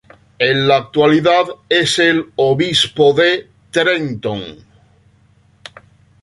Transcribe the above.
En la actualidad es el Obispo de Trenton.